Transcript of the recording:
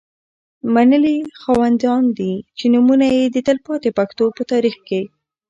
منلي خاوندان دي. چې نومونه یې د تلپا تي پښتو په تاریخ کي